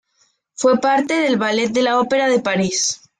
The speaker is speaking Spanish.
Fue parte del Ballet de la Ópera de París.